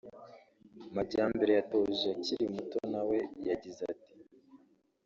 Majyambere yatoje akiri muto nawe we yagize ati